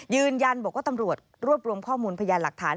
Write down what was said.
ยืนยันบอกว่าตำรวจรวบรวมข้อมูลพยานหลักฐาน